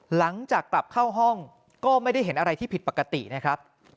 หลังจากกลับเข้าห้องก็ไม่ได้เห็นอะไรที่ผิดปกตินะครับ